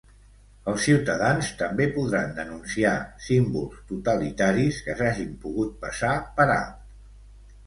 Els ciutadans també podran denunciar símbols totalitaris que s'hagin pogut passar per alt.